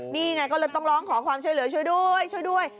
นี่ไงก็เลยต้องร้องขอความช่วยเหลือช่วยด้วยช่วยด้วย